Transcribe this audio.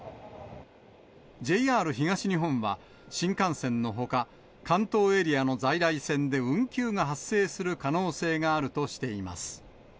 ＪＲ東日本は、新幹線のほか、関東エリアの在来線で運休が発生する可能性があるとしています。